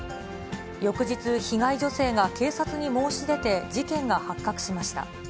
翌日、被害女性が警察に申し出て事件が発覚しました。